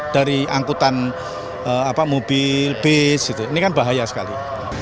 dari angkutan mobil bis ini kan bahaya sekali